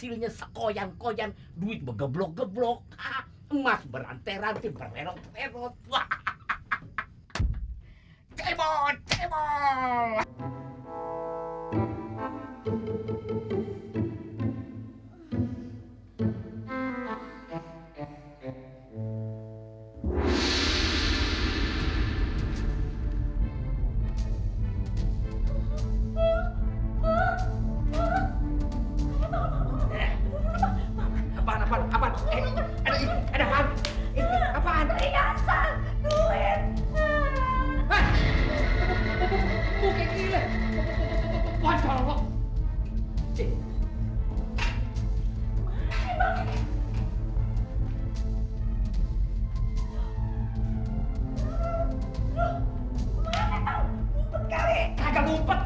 udah ngepet diepet lagi